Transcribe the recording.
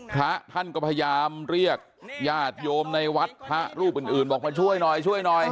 พระท่านก็พยายามเรียกญาติโยมในวัดพระรูปอื่นบอกมาช่วยหน่อยช่วยหน่อย